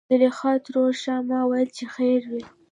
زليخا ترور :ښا ما ويل چې خېرت وي.